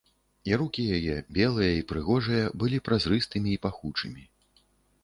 І рукі яе, белыя і прыгожыя, былі празрыстымі і пахучымі.